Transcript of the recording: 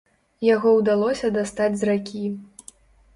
Яго ўдалося дастаць з ракі.